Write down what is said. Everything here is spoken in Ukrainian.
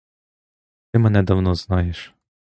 Ти мене давно знаєш.